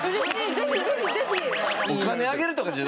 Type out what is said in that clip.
ぜひぜひぜひ！